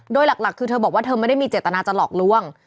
โดยหลักคือเธอบอกว่าเธอไม่ได้มีเจตนาจะหลอกล่วง